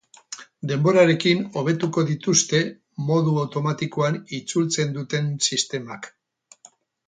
Denborarekin hobetuko dituzte modu automatikoan itzultzen duten sistemak.